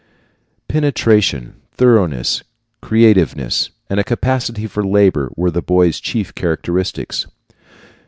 Penetration, thoroughness, creativeness, and a capacity for labor were the boy's chief characteristics.